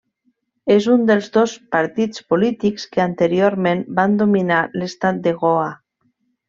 És un dels dos partits polítics que anteriorment van dominar l'estat de Goa.